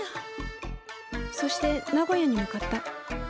そして名古屋に向かった。